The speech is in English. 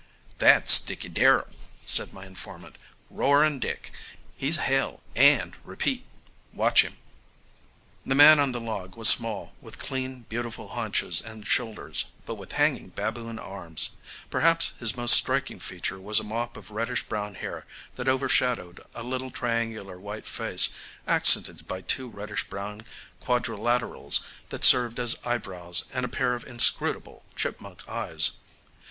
"That's Dickey Darrell," said my informant, "Roaring Dick. He's hell and repeat. Watch him." The man on the log was small, with clean beautiful haunches and shoulders, but with hanging baboon arms. Perhaps his most striking feature was a mop of reddish brown hair that overshadowed a little triangular white face accented by two reddish brown quadrilaterals that served as eyebrows and a pair of inscrutable chipmunk eyes.